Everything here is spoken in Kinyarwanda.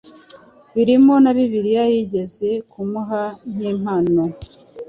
birimo na Bibiliya yigeze kumuha nk'impano.